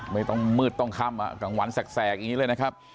ไม่ต้องมืดต้องค่ำกลางวันแสกอย่างนี้เลยนะครับ